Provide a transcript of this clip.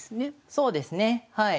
そうですねはい。